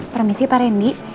permisi pak rendy